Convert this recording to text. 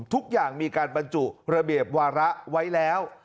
ทุกอย่างมีการบรรจุระเบียบวาระไว้แล้ว